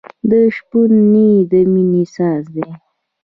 د شپون نی د مینې ساز دی.